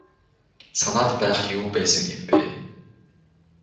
Санаад байх юу байсан юм бэ.